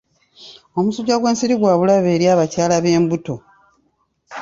Omusujja gw'ensiri gwa bulabe eri abakyala ab'embuto.